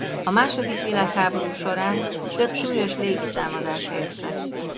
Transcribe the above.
A második világháború során több súlyos légitámadás érte.